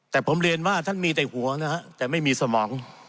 แต่ผมเรียนว่าท่านมีแต่หัวนะฮะแต่ไม่มีสมอง